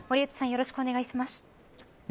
よろしくお願いします。